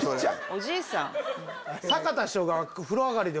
おじいさん。